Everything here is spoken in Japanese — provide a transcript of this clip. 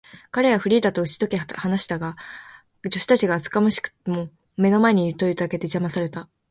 彼はフリーダとうちとけて話したかったが、助手たちが厚かましくも目の前にいるというだけで、じゃまされた。